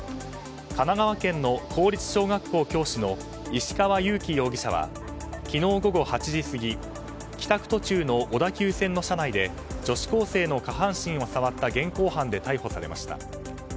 神奈川県の公立小学校教師の石川雄幾容疑者は昨日午後８時過ぎ帰宅途中の小田急線の車内で女子高生の下半身を触った現行犯で逮捕されました。